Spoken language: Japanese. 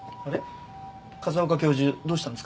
風丘教授どうしたんですか？